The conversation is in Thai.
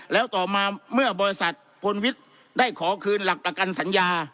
แล้วต่อมาเมื่อบริษัทพลวิทย์ได้ขอคืนหลักประกันสัญญา